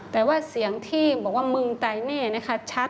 แต่ว่าเสียงที่บอกว่ามึงตายแน่นะคะชัด